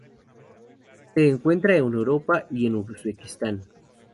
Se encuentra en Europa y en Uzbekistán.